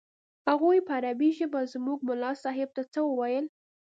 هغوى په عربي ژبه زموږ ملا صاحب ته څه وويل.